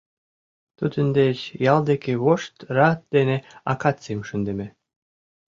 Тудын деч ял деке вошт рат дене акацийым шындыме.